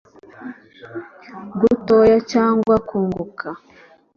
gutoya cyangwa kunguka;